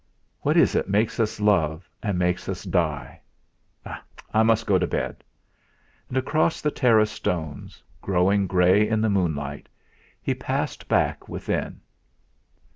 'What is it makes us love, and makes us die! I must go to bed.' And across the terrace stones, growing grey in the moonlight, he passed back within.